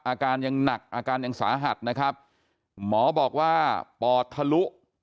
อาการยังหนักอาการยังสาหัสนะครับหมอบอกว่าปอดทะลุ